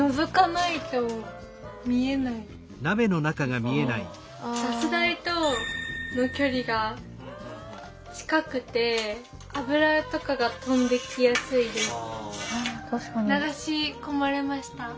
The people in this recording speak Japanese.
ガス台との距離が近くて油とかが飛んできやすいです。